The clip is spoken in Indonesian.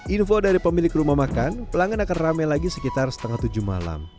info dari pemilik rumah makan pelanggan akan rame lagi sekitar setengah tujuh malam